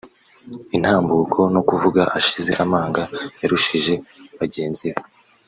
intambuko no kuvuga ashize amanga yarushije bagenzi be